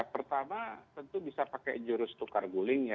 pertama tentu bisa pakai jurus tukar guling ya